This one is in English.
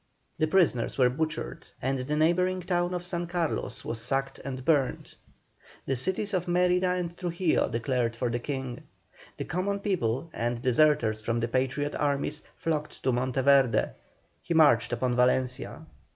The prisoners were butchered, and the neighbouring town of San Carlos was sacked and burned. The cities of Mérida and Trujillo declared for the King. The common people, and deserters from the Patriot armies, flocked to Monteverde; he marched upon Valencia.